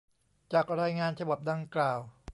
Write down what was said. จากรายงานฉบับดังกล่าว